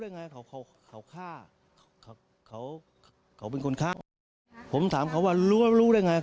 อ๋อนี่อันเงี้ยอ๋อมันบาง